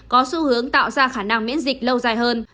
có xu hướng tạo ra khả năng miễn dịch lâu dài hơn